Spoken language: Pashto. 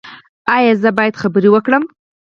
ایا زه باید خبرې وکړم؟